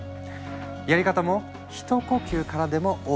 やり方も「ひと呼吸からでもＯＫ！